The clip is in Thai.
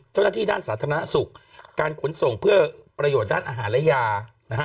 เจ้าหน้าที่ด้านสาธารณสุขการขนส่งเพื่อประโยชน์ด้านอาหารและยานะฮะ